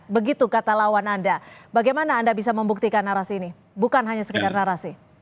begitu kata lawan anda bagaimana anda bisa membuktikan narasi ini bukan hanya sekedar narasi